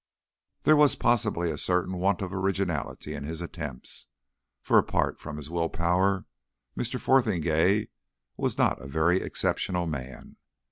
There was possibly a certain want of originality in his attempts, for apart from his will power Mr. Fotheringay was not a very exceptional man.